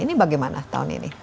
ini bagaimana tahun ini